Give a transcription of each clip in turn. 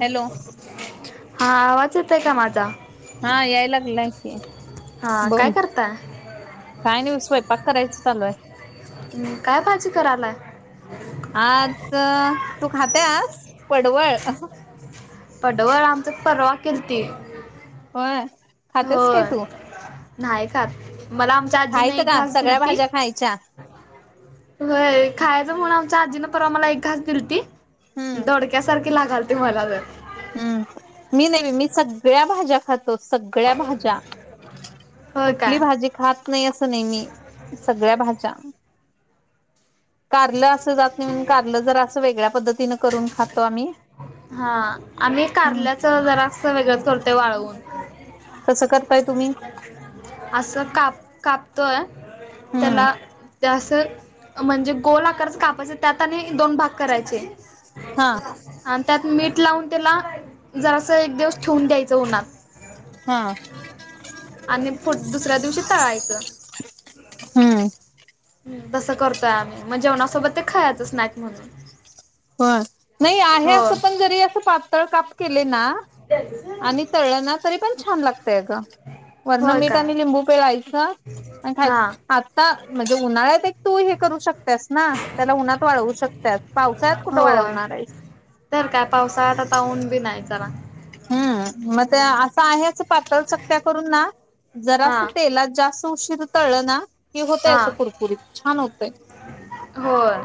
Hello हा. आवाज येतोय का माझा. हा याय लागलाय की हा काय बोल. करताय? काय नाही बग स्वयंपाक करायचं चालूय. हम् काय भाजी करायलाय? आज तु खात्यास पडवळ. पडवळ आमच्यात परवा केलती. होय, खात्यास काय होय तू. नाही खात मला आमच्या आजींनी खायचं एक का घास सगळ्या दिलती भाज्या खायच्या होय खायचं म्हणुन आमच्या आजीन परवा एक घास दिलती. हम्म दोडक्यासारखी लागालती मला तर. हम्म मी नाही बाई मी सगळ्या भाज्या खातो सगळ्या भाज्या. होय कुठली काय? भाजी खात नाही असं नाही मी सगळ्या भाज्या कारलं अस जात नाही म्हणून कारल जर असं वेगळ्या पद्धतीन करून खातो आम्ही. हा आणि हम्म कारल्याचं जरा असं वेगळंच करतोय वाळवून. कसं करताय तुम्ही? असं काप कापतोय हम्म त्याला जास तर म्हणजे गोल आकारच कापायचं त्यात आणि दोन भाग करायचे. हा. आणि त्यात मीठ लावून त्याला जरासं एक दिवस ठेवून द्यायचं उन्हात. हा.. आणि पूढ दुसऱ्या दिवशी तळायचं. हम्म. हम्म तसं करतोय आम्ही मग जेवणासोबत ते खायच स्नॅक म्हणून. होय नाही आहे हो असं पण जरी असं पातळ काप केले ना आणि तळणा तरी पण छान लागतय अग वरण होय मीठ काय आणि लिंबू पिळायचं आणि खायच. हा आता म्हणजे उन्हाळ्यात एक तू हे करू शकत्यास ना त्याला उन्हात वाळवू शकत्यास पावसात कुठ होय वाळवणार आहेस? तर काय पावसाळ्यात आता ऊन बी नाही चला हम् मग ते असं आहेच पातळ चकप्या करून ना हा जरास तेलात जास्त जरा उशिरा तळल ना कि होतय हा असं कुरकुरीत छान होतय होय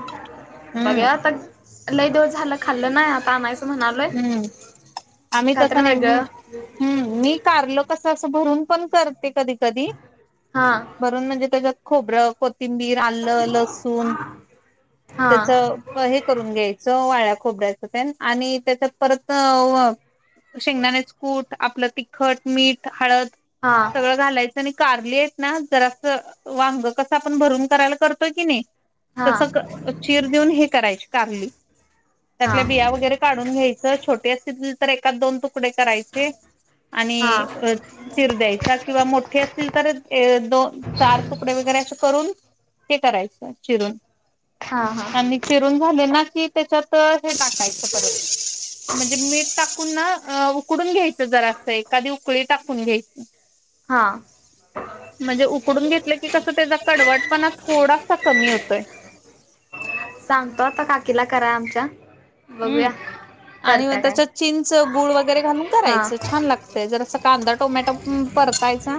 हम्म. बघा आता लय दिवस झालं खाल्लं नाय आता आणायचं म्हणालोय हम्म काय तरी वेगळं. हम् मी कारल कस अस भरून पण करते कधी कधी हा भरून म्हणजे त्याच्यात खोबरं कोथिंबीर आलं लसूण हा त्याच ब हे करून घ्यायचं वाळ्या खोबऱ्याच तेन आणि त्याच्या परत शेंगदानेच कूट आपलं तिखट मीठ हळद हा. सगळं घालायचं आणि कारली आहेत ना जरास वांग कसं आपण भरून करायला करतोय की नाही हा तस चीर देऊन हे करायची कारली हा त्यातल्या बिया वगैरे काढून घ्यायचं छोटे असतील तर एका दोन तुकडे करायचे. आणि हा हा अ चीर द्याय किंवा मोठे असतील तर दोन चार तुकडे वगैरे अस करून ते करायचं चिरून. हा हा. आणि चिरून झाले ना की त्याच्यात हे टाकायचं म्हणजे मीठ टाकून ना उकडून घ्यायच जरा असं एखादी उकळी टाकून घे. हा. म्हणजे उकडून घेतलं की कसं त्याचा कडवटपणा थोडासा कमी होतोय. सांगतो आता काकीला कराय आमच्या. बघूया हम्म आणि करत्या मग काय त्याच्यात चींच गुळ वगैरे घालून हा करायचं छान लागत ते जरास कांदा टोमॅटो परतायचा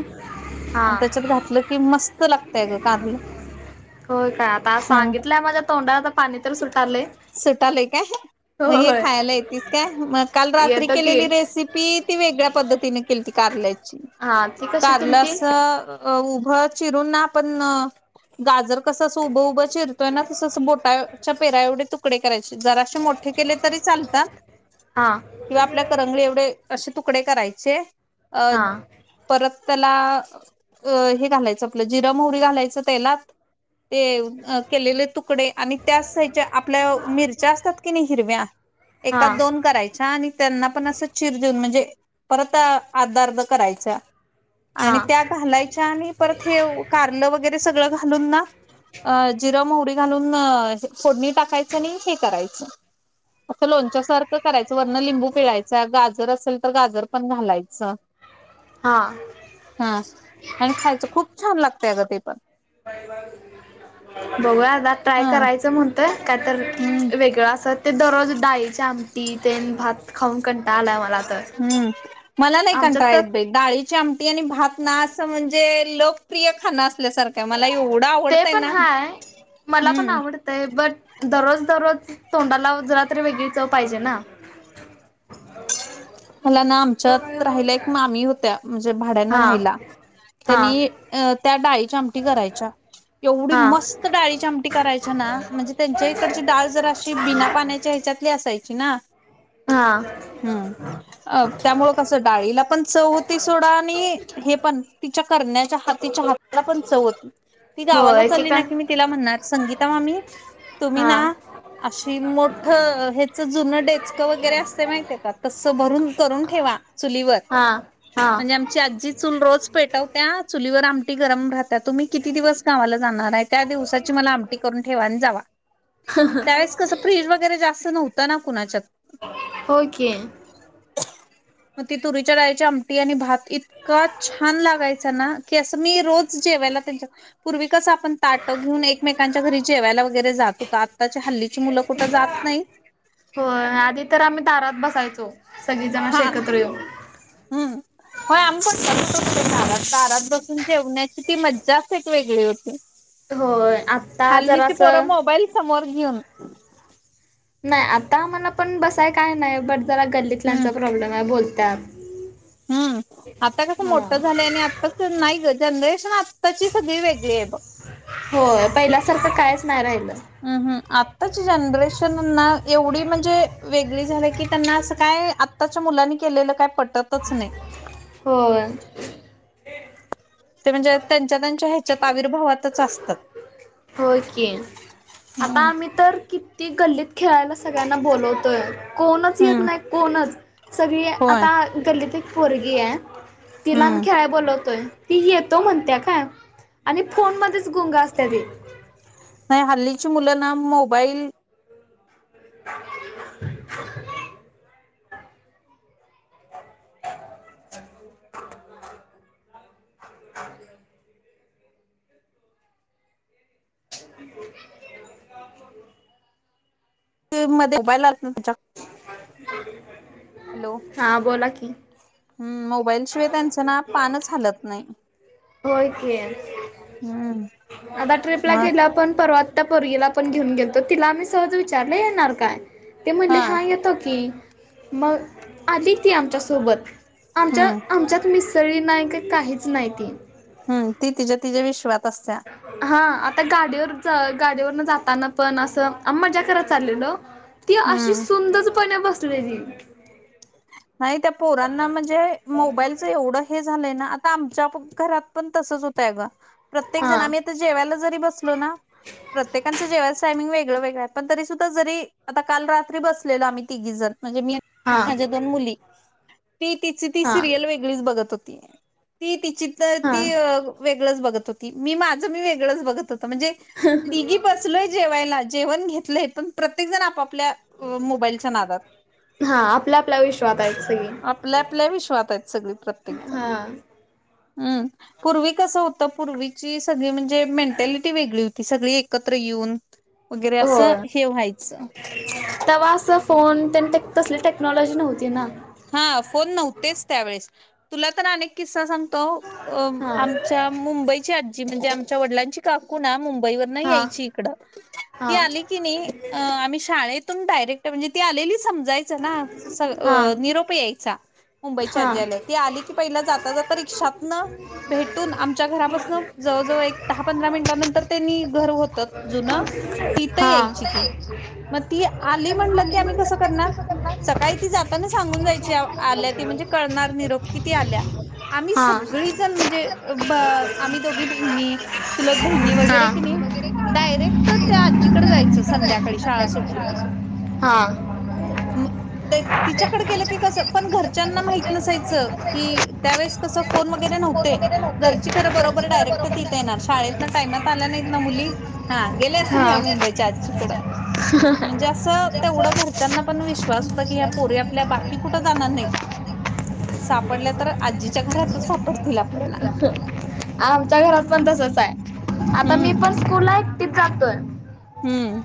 हा आणि त्याच्यात घातलं की मस्त लागतय गं कारलं. हो काय आता हा सांगितलंय माझ्या तोंडाला आता पाणी तर सुटारले. सुटालाय काय मग हे खायला येतीस काय मग काल रात्री येत की केलेली रेसिपी ती वेगळ्या पद्धतीने केलती कारल्याची हा ती कशी कारल केलती अस अ उभं चिरून ना पण ना गजर कसं असं उभं उभं चिरतोय ना तसं असं बोटाच्या पेरा एवढे तुकडे करायचे जरा मोठे केले तरी चालतात हा किंवा आपल्या करंगळी एवढे असे तुकडे करायचे. अ हा [unintelligible] परत त्याला अ हे घालायचं आपलं जिरं मोहरी घालायचं तेलात. तेव अ केलेले तुकडे आणि त्याच साईच्या आपल्या मिरच्या असतात कि नाही हिरव्या हा एकात दोन करायच्या आणि त्यांना पण असं चिर देऊन म्हणजे परत अर्धा-अर्धा कराच्या हा आणि त्या- घालायच्या आणि परत हेऊ कारलं वगैरे सगळं घालून ना अ जिरा, मोहरी घालून फोडणी टाकायचं आणि हे करायचं. असं लोणच्यासारखं करायचं वरण लिंबू पिळायचं गाजर असेल तर गाजर पण घालायचं. हा. हा आणि खायचं खूप छान लागतया गं ते पण. [unintelligible] बघूया आता ट्राय हा करायचं म्हणतोय काय तर हम्म वेगळं अस ते दररोज डाळीची आमटी तेन भात खाऊन कंटाळा आलाय हो. हम्म मला नाही येत कंटाळा तर येतय. डाळीची आमटी आणि भात ना असं म्हणजे लोकप्रिय खाणं असल्यासारखं त मला एवढं ते आवडतंय ना हम्म. ते बट दररोज दररोज तोंडाला जरातरी वेगळीच पाहिजे ना. मला ना आमच्यात राहिला एक मामी होत्या म्हणजे भाड्याना हा राहायला. हा त्यांनी अ त्या डाळीची आमटी करायच्या एवढी हा मस् तर डाळीचे आमटी करायच्या ना म्हणजे त्यांच्या इकडची डाळ जर अशी बिना पाण्याच्या ह्याच्यातली असायची ना. हां. हम्म. अ त्यामुळ कसं डाळीला पण चव होती सोडा आणि हे पण तिच्या करण्याच्या हा हातिच्या हाताला पण चव होती. ती हो गावाला चालली एकेका ना की मी तिला म्हणणार संगीता मामी तुम्ही हा ना अशी मोठ हेच जुन डेचकं वगैरे असते माहितीय का तस क भरून करून ठेवा चुलीवर हा हा म्हणजे ची आजी चूल रोज पेटवत्या चुलीवर आमटी गरम राहता तुम्ही किती दिवस गावाला जाणार आहे? त्या दिवसाची मला आमठी करून ठेवा आणि जावा त्यास कसं फ्रिज वगैरे जास्त नव्हता ना कुणाच्यात. होय की. म ती तुरीच्या डाळीची आमटी आणि भात इतका छान लागाय चा ना असं मी रोज जेवायला त्यांचा पूर्वी कसं आपण ताट घेऊन एकमेकांच्या घरी जेवायला वगैरे जातो होता आताच्या हाल्लीची मुलं कुठे जात नाही. हो आधी तर आम्ही दारात बसायचो सगळी जण अशी हा एकत्र येऊ. हम्म ह [unintelligible] होय आम्ही पण [unintelligible] दारात दारात बसून जेवण्याची ती मज्जाच एक वेगळी होती. होय आता हल्लीची पोरं जरासं मोबाईल समोर घेऊन. नाही आता आम्हाला पण बसाय काय नाही बट जरा हम्म गल्लीतल्यांचा प्रॉब्लेम आहे बोलत्यात. हम् [unintelligible] हम्म. आता कसं मोठं झालंय आणि आताच नाही ग जनरेशन आत्ताची सगळी वेगळी आहे बघ. होय पहिल्यासारखं कायच नाय राहिलं. हम्म हम्म आत्ताची जनरेशनना एवढी म्हणजे वेगळी झाली की त्यांना असं काय आत्ताच्या मुलांनी केलेलं काय पटतच नाही. होय. ते म्हणजे त्यांच्या त्यांच्या हेच्यात आविर्भावातच असतात. होय की आता हम्म आम्ही तर कि ती गल्लीत खेळायला सगळ्यांना बोलवतोय. कोणच येत हम्म नाही कोणच सगळी होय आता गल्लीत एक पोरगी आहे तिला मी हम्म खेळा बोलवतोय. ती येतो म्हणत्या काय, आणि फोन मध्येच गुंग असत्या ती. नाही हल्लीची मुलं ना मोबाईल [unintelligible] [unintelligible] [unintelligible] [unintelligible] त मध्ये [unintelligible] तेचा. हा, बोला की. हम्म मोबाईलशिवाय त्यांचं ना पानच हालत नाही. होय की हम्म आता ट्रीपला मग गेलं पण परवात त्या पोरगीला पण घेऊन गेलतो तीला आम्ही सहज विचारला येणार काय ते म्हणले हा येतं की मग आली ती आमच्यासोबत. आमच्या हम्म आमच्यात मिसळीली नाही का काहीच नाही ती. हम् ती तिच्या तिच्या विश्वात असत्या. हा आता गाडीवर च गाडीवरन जाताना पण असं आम मज्या करत चाललेलो. ती अशी हम्म सुंदचपने बसललेली. नाही त्या पोरांना म्हणजे मोबाईलचं एवढं हे झालंय ना आता आमच्या प घरात पण तसच होतंय अग. प्रत्येक हा जण आम्ही आता जेवायला जरी बसलो ना प्रत्येकांचं जेवायच टायमिंग वेगळं-वेगळं पण तरी सुद्धा जरी आता काल रात्री बसलेलो आम्ही तिघी जण म्हणजे मी हा माझ्या दोन मुली ती तिची ती हा सिरियल वेगळीच बघत होती ती ती चित हा ती वेगळंच बघत होती मी माझं मी वेगळंच बघत होतो म्हणजे तिघी बसलोय जेवायला जेवण घेतलंय पण प्रत्येक जण आपापल्या ओ मोबाईलच्या नादात हा आपल्या आपल्या विश्वातायच सगळी. आपल्या आपल्या विश्वात आहेत सगळी प्रत्येक जण हा हम्म. पूर्वी कसं होतं पूर्वीची सगळी म्हणजे मेंटॅलिटी वेगळी होती सगळी एकत्र येऊन वगैरे असं हे व्हायचं. तवा असं फोन तेन तसली टेक्नॉलॉजी नव्हती ना. हा फोन नव्हतेच त्यावेेळेस तुला तर अनेक किस्सा सांगतो अ हा आमच्या मुंबईची आजी म्हणजे आमच्या वडिलांची काकू ना मुंबईवरण हा यायची इकड ती हा आली की नी अ आम्ही शाळेतून डायरेक्ट म्हणजे ती आलेली समजायच ना सग हा अ निरोप यायचा. मुंबईचे हा आज्या आलेय ती आली की पहिला जाता जाता रिक्षातनं भेटून आमच्या घरापासनं जवळजवळ एक दहा पंधरा मिनिटानंतर त्यांनी घर होतं जुनं तिथं हा यायची ती. मग ती आली म्हणलं की आले आम्ही कसं म्हणलं की आम्ही करणार तसं सकाळी ती करणार जातानच सांगून जायची आल्या ती म्हणजे करणार निरोप किती आल्या. आम्ही सगळीजण म्हणजे हा ब आम्ही दोघी बहिणी चूलत बहिणी हा वगैरे कि नाही इकडे डायरेक्ट त्या आजीकडे आपल्या जायचं जायचं संध्याकाळी शाळा संध्याकाळी सुटली हा. म ते तिच्याकड केलं की तिच्याकडे कसं गेलं पण घर त्यांना पण माहित घरच्यांना माहित नसायचं की नसायचं की त्यावेळेस कस फोन वगैरे कसं फोन नव्हते. वगैरे नव्हते घरची खरं बरोबर तर डायरेक्ट बरोबर तिथे येणार शाळेत ना टायमात आल्या नाहीत ना मुली हा गेले असतील हा. ह्या मुंबईच्या आजीकडं? घरच्या. म्हणजे अस म्हणजे असं तेवढं घरच्यांना पण घरच्यांचा विश्वास होता की आ विश्वास ते नाही. आपल्या बाकी कुठे जाणार नाहीत. सापडल्या तर आजीच्या घरातच सापडतील आपल्याला. आमच्या घरात पण तसच आहे आता हम्म मी पण स्कूलला एकटीच जातोय. हम्म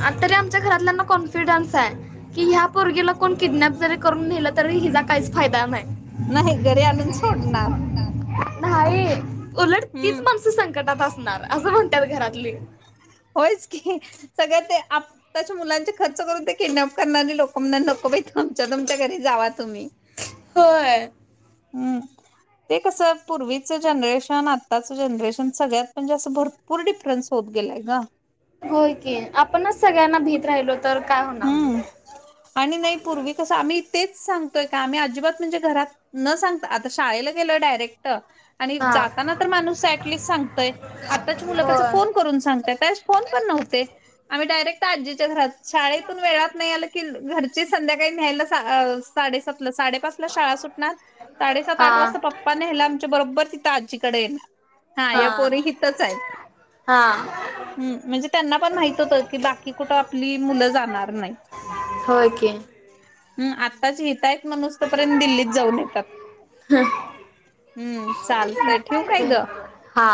आ तरी आमच्या घरातल्यांना कॉन्फिडन्स आहे. कि ह्या पोरगीला कोण किडनॅप जरी करून नेलं तरी, हिचा काहीच फायदा नाय. नाही घरी आणून सोडणार. नाही उलट तीच हम्म माणसं संकटात असणार असं म्हणतात घरातली. होय च की सगळ्या ते आताच्या मुलांचे खर्च करून ते किडनॅप करणारी लो [unintelligible] नको बाई तुमच्या तुमच्या घरी जावा तुम्ही. होय. हम्म. ते कसं पूर्वीचं जनरेशन, आत्ताचं जनरेशन सगळ्यात म्हणजे असं भर. पूर डिफरन्स होत गेलाय ग. होय की आपणच सगळ्यांना भीेत राहिलो तर काय होणार मग हम्म आणि नाही पूर्वी कसं आम्ही तेच सांगतोय का आम्ही अजिबात म्हणजे घरात न सांगता आता शाळेला गेल डायरेक्ट. आणि हा जाताना तर माणूस अ ऍटलिस्ट सांगतय आत्ताची मुल कशी होय फोन करून सांगत्यात फोन पण नव्हते आम्ही डायरेक्ट आजीच्या घरात शाळेत वेळात नाही आलं की घरचे संध्याकाळी न्यायला साडे साडेसातला साडेपाच शाळा सुटणार, साडेसात आठ हा वाजता पप्पा न्यायला आमच्या बरोबर तिथं आजीकड येणार. हा या पोरी हितच आहेत. हा. ह म्हणजे त्यांना पण माहित होत की बाकी कुठं आपली मुलं जाणार तर नाहीत. होय की हम आत्ताच हित आहेत माणूस तोपर्यंत दिल्लीत जाऊन येतात. हम्म चालतय ठेवू काय ते ग? हा.